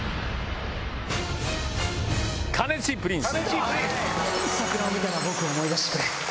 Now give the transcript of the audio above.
「カネチープリンス」。